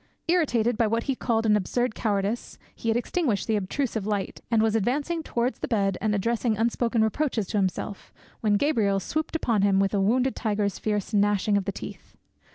Irritated by what he called an absurd cowardice, he had extinguished the obtrusive light, and was advancing towards the bed, and addressing unspoken reproaches to himself, when Gabriel swooped upon him with a wounded tiger's fierce gnashing of the teeth.